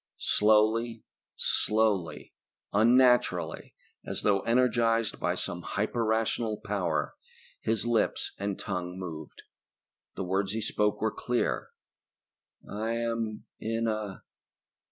Slowly, slowly, unnaturally as though energized by some hyper rational power his lips and tongue moved. The words he spoke were clear. "I am in a